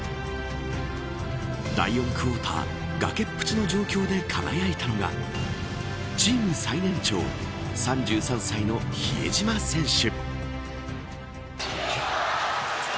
第４クオーター崖っぷちの状況で輝いたのがチーム最年長３３歳の比江島選手。